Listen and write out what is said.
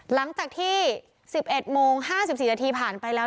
หลังจากที่๑๑โมง๕๔นาทีผ่านไปแล้ว